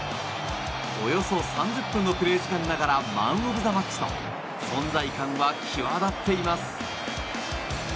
およそ３０分のプレー時間ながらマン・オブ・ザ・マッチと存在感は際立っています。